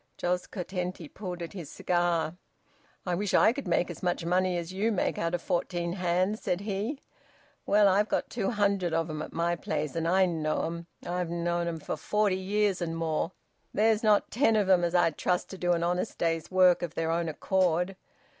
Jos Curtenty pulled at his cigar. "I wish I could make as much money as you make out of fourteen hands!" said he. "Well, I've got two hundred of 'em at my place. And I know 'em! I've known 'em for forty years and more. There's not ten of 'em as I'd trust to do an honest day's work, of their own accord...